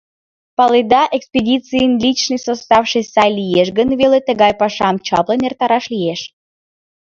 Паледа, экспедицийын личный составше сай лиеш гын веле тыгай пашам чаплын эртараш лиеш.